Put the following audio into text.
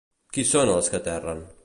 Qui són els que aterren?